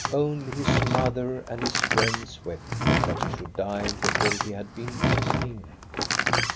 Only his mother and his friends wept, that he should die before he had been a King.